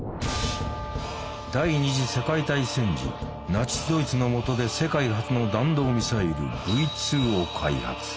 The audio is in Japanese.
第二次世界大戦時ナチスドイツのもとで世界初の弾道ミサイルＶ２を開発。